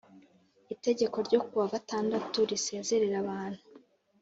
itegeko ryo kuwa gatandatu risezerera abantu